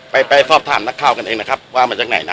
ไปไปสอบถามนักข่าวกันเองนะครับว่ามาจากไหนนะ